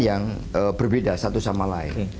yang berbeda satu sama lain